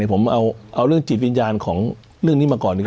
ผมเอาเรื่องจิตวิญญาณของเรื่องนี้มาก่อน